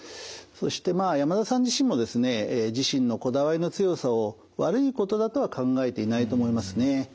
そしてまあ山田さん自身もですね自身のこだわりの強さを悪いことだとは考えていないと思いますね。